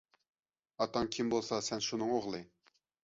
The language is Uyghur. ئاتاڭ كىم بولسا، سەن شۇنىڭ ئوغلى.